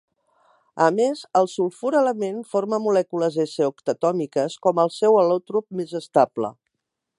A més, el sulfur element forma molècules S octatòmiques com al seu al·lòtrop més estable.